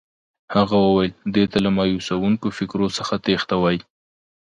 هغه وویل دې ته له مایوسوونکو فکرو څخه تېښته وایي.